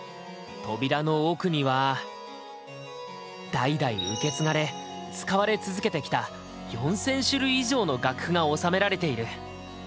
扉の奥には代々受け継がれ使われ続けてきた４０００種類以上の楽譜が収められている。